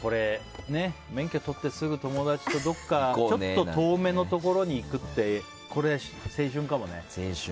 免許取ってすぐ友達とちょっと遠めのところに行くってこれは青春かもね。